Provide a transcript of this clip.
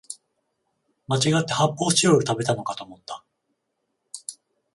まちがって発泡スチロール食べたのかと思った